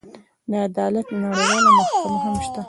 د عدالت نړیواله محکمه هم شته.